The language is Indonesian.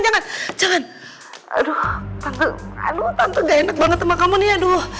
jangan jangan aduh tante gak enak banget sama kamu nih aduh